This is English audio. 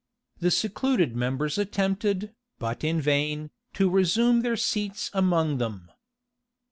The secluded members attempted, but in vain, to resume their seats among them.